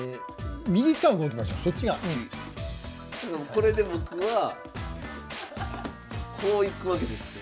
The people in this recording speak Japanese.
これで僕はこういくわけですよ。